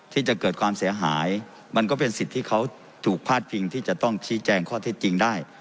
ที่จะเกิดความเสียหายมันก็เป็นสิทธิ์ที่เขาถูกพาดพิงที่จะต้องชี้แจงข้อเท็จจริงได้